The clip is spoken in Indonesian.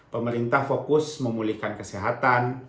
pemerintah fokus memulihkan kesehatan